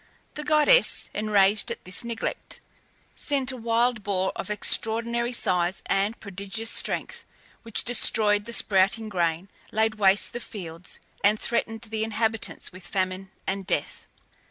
The goddess, enraged at this neglect, sent a wild boar of extraordinary size and prodigious strength, which destroyed the sprouting grain, laid waste the fields, and threatened the inhabitants with famine and death.